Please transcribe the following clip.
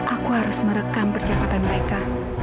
aku harus merekam percepatan mereka